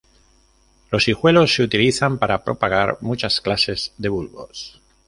Los hijuelos se utilizan para propagar muchas clases de bulbos.